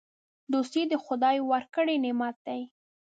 دوستي د خدای ورکړی نعمت دی.